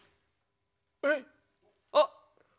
えっあっ。